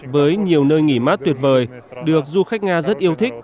với nhiều nơi nghỉ mát tuyệt vời được du khách nga rất yêu thích